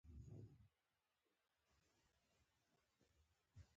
تل د سخت کار کولو لپاره هيله مند ووسئ.